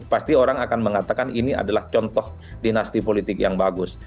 pasti orang akan mengatakan ini adalah contoh dinasti politik yang bagus